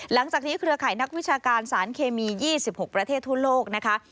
หลังจากนี้เครือข่ายนักวิชาการสารเคมี๒๖ประเทศทั่วโลกนะคะ